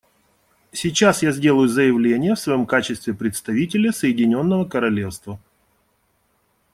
Сейчас я сделаю заявление в своем качестве представителя Соединенного Королевства.